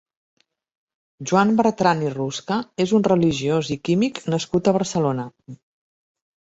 Joan Bertran i Rusca és un religiós i químic nascut a Barcelona.